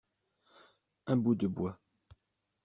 Un bout de bois.